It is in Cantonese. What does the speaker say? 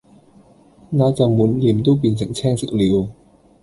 那就滿臉都變成青色了。